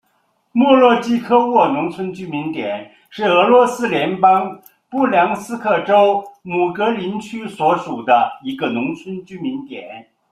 莫洛季科沃农村居民点是俄罗斯联邦布良斯克州姆格林区所属的一个农村居民点。